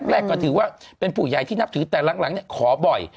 แรกก็ถือว่าเป็นผู้ใหญ่ที่นับถือแต่หลังขอบ่อย